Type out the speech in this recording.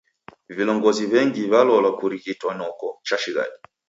Vilongozi w'engi w'alola kurighitwa noko chashighadi.